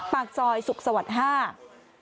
ปากซอยสุขสวรรค์ห้า